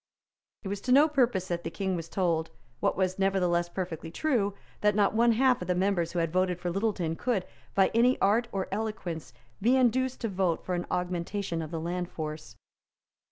It was to no purpose that the King was told, what was nevertheless perfectly true, that not one half of the members who had voted for Littleton, could, by any art or eloquence, be induced to vote for an augmentation of the land force.